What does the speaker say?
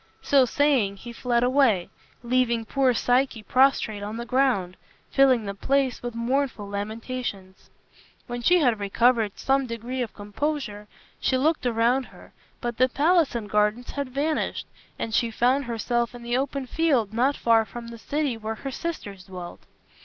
So saying, he fled away, leaving poor Psyche prostrate on the ground, filling the place with mournful lamentations. When she had recovered some degree of composure she looked around her, but the palace and gardens had vanished, and she found herself in the open field not far from the city where her sisters dwelt.